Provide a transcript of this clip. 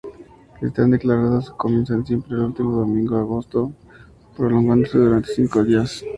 Están declarados y comienzan siempre el último domingo de agosto, prolongándose durante cinco días.